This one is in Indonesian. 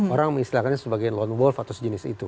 orang mengistilahkannya sebagai lone wolf atau sejenis itu